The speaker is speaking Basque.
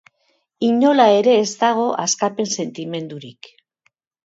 Inola ere ez dago askapen sentimendurik.